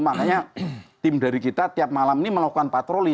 makanya tim dari kita tiap malam ini melakukan patroli